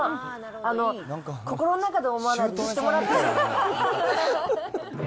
心の中で思わないで言ってもらっていいですか？